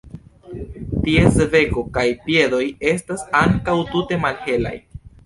Ties beko kaj piedoj estas ankaŭ tute malhelaj.